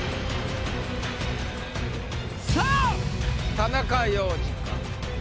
さぁ田中要次か？